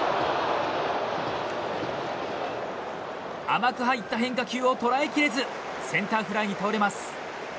甘く入った変化球を捉えきれずセンターフライに倒れます。